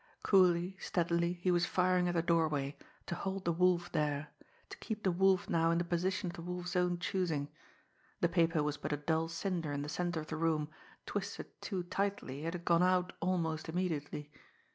Coolly, steadily, he was firing at the doorway to hold the Wolf there to keep the Wolf now in the position of the Wolf's own choosing. The paper was but a dull cinder in the centre of the room; twisted too tightly, it had gone out almost immediately.